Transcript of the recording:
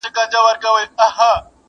امیر ږغ کړه ویل ستا دي هم په یاد وي!